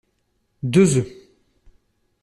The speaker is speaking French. deux oeufs